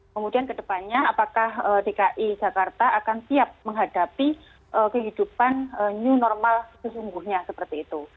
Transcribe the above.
kemudian kedepannya apakah dki jakarta akan siap menghadapi kehidupan new normal sesungguhnya seperti itu